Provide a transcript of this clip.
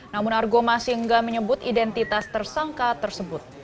namun argo masih enggak menyebut identitas tersangka tersebut